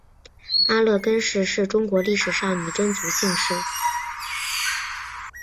阿勒根氏是中国历史上女真族姓氏。